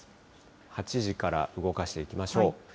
８時から動かしていきましょう。